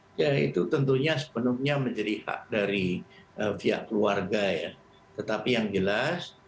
hai yaitu tentunya sepenuhnya menjadi hak dari pihak keluarga ya tetapi yang jelas